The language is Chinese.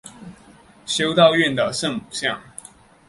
修道院的圣母像。